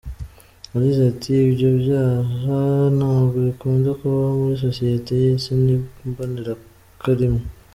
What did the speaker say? Yagize ati “Ibyo byaha ntabwo bikunda kubaho muri sosiyete y’isi, ni imbonekarimwe.